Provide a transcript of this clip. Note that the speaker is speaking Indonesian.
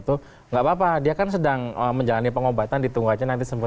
tidak apa apa dia kan sedang menjalani pengobatan ditunggu aja nanti sembuh